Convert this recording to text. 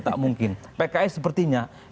tak mungkin pks sepertinya